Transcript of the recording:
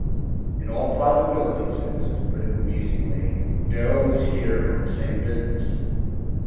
"In all probability," said Mr. Britton, musingly, "Darrell was here on the same business."